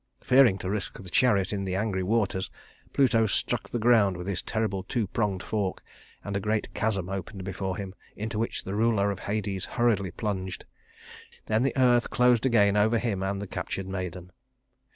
Fearing to risk the chariot in the angry waters, Pluto struck the ground with his terrible two pronged fork, and a great chasm opened before him, into which the ruler of Hades hurriedly plunged. Then the earth closed again over him and the captured maiden.